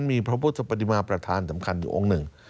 มีพระพุทธปฏิมาประธานสำคัญอยู่องค์หนึ่ง